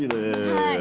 はい。